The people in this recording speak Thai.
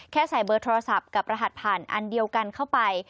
แค่ใส่เบอร์โทรศัพท์กับรหัสผ่านอันเดียวกันเข้าไป